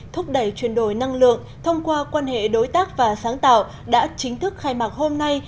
thúc đẩy chuyển đổi năng lượng thông qua quan hệ đối tác và sáng tạo đã chính thức khai mạc hôm nay